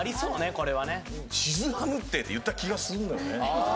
これはね「チズハムって！」って言った気がするんだよねああ